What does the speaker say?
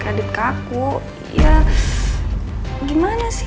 kita tiada sesuatu yang bisa dipilih